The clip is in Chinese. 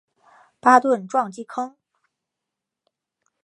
巴顿撞击坑